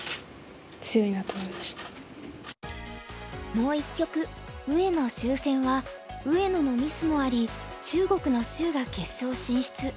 もう１局上野・周戦は上野のミスもあり中国の周が決勝進出。